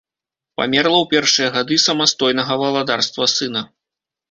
Памерла ў першыя гады самастойнага валадарства сына.